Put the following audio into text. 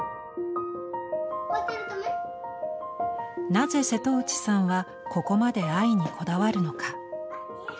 なぜ瀬戸内さんはここまで愛にこだわるのか。